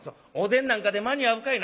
お膳なんかで間に合うかいな。